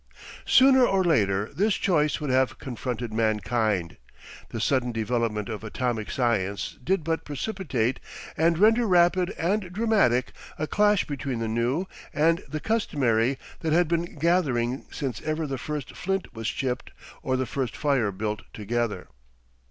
Sooner or later this choice would have confronted mankind. The sudden development of atomic science did but precipitate and render rapid and dramatic a clash between the new and the customary that had been gathering since ever the first flint was chipped or the first fire built together.